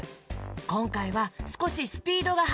こんかいはすこしスピードがはやいよ。